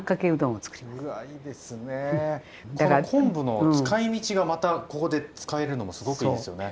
この昆布の使い道がまたここで使えるのもすごくいいですよね。